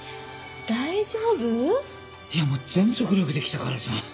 いやもう全速力で来たからさ。